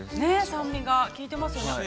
◆酸味がきいてますよね。